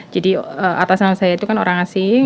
jadi atasan saya itu kan orang asing